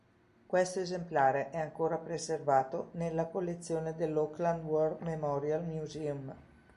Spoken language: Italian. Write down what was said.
Questo esemplare è ancora preservato nella collezione dell'Auckland War Memorial Museum.